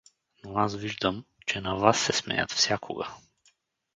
— Но аз виждам, че на вас се смеят всякога.